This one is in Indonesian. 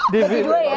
bagi dua ya